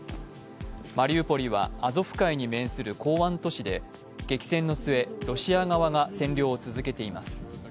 マリウポリはアゾフ海に面する港湾都市で激戦の末、ロシア側が占領を続けています。